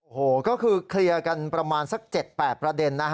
โอ้โหก็คือเคลียร์กันประมาณสัก๗๘ประเด็นนะฮะ